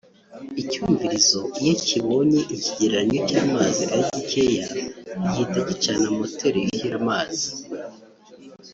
icyumvirizo iyo kibonye ikigereranyo cy’amazi ari gikeya gihita gicana moteri yuhira amazi